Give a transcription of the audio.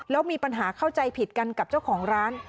แล้วมีปัญหาเข้าใจผิดกันกับเจ้าของร้าน